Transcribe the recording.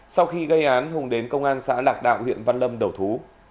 sau khi gây án hùng đến công an xã lạc đạo huyện văn lâm đầu thú